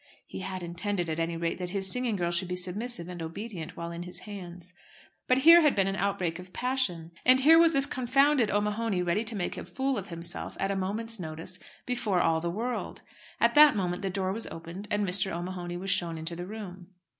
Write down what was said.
He had intended, at any rate, that his singing girl should be submissive and obedient while in his hands. But here had been an outbreak of passion! And here was this confounded O'Mahony ready to make a fool of himself at a moment's notice before all the world. At that moment the door was opened and Mr. O'Mahony was shown into the room.